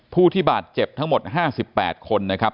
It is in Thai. ผู้ที่บาดเจ็บทั้งหมด๕๘คนนะครับ